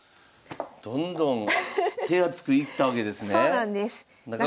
どんどん手厚くいったわけですね。